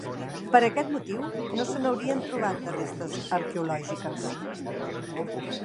Per aquest motiu no se n'haurien trobat restes arqueològiques.